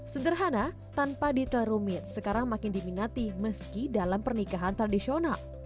sederhana tanpa detail rumit sekarang makin diminati meski dalam pernikahan tradisional